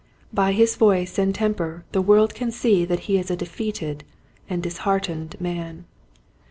By his voice and temper the world can see that he is a defeated and disheartened man.